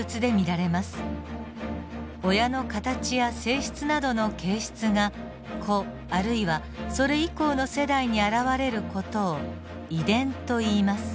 親の形や性質などの形質が子あるいはそれ以降の世代に現れる事を遺伝といいます。